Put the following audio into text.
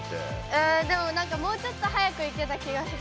えでもなんかもうちょっと早くいけた気がします。